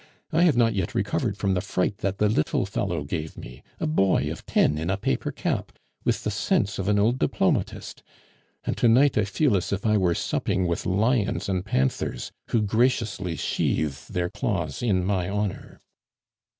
"I have not yet recovered from the fright that the little fellow gave me, a boy of ten, in a paper cap, with the sense of an old diplomatist. And to night I feel as if I were supping with lions and panthers, who graciously sheathe their claws in my honor."